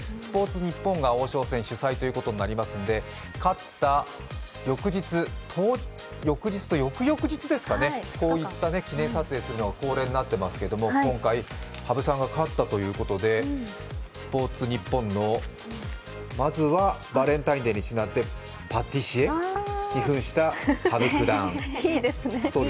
ニッポンが王将戦主催となりますので、勝った翌日と翌々日ですかね、こういった記念撮影をするのが恒例となっていますが今回、羽生さんが勝ったということでスポーツニッポンのまずはバレンタインデーにちなんでパティシエに扮した羽生九段。